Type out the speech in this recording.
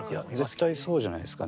絶対そうじゃないですかね。